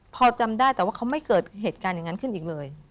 พอจำได้แต่ว่าเขาไม่เกิดเหตุการณ์อย่างนั้นขึ้นอีกเลย